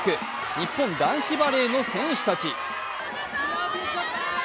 日本男子バレーの選手たち。